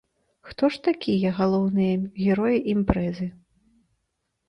Хто ж такія галоўныя героі імпрэзы?